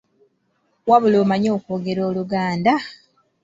Wabula omanyi okwogela Oluganda!